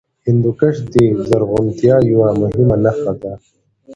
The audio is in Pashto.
هندوکش د زرغونتیا یوه مهمه نښه ده.